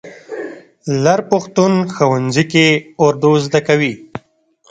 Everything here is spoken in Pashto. لر پښتون ښوونځي کې اردو زده کوي.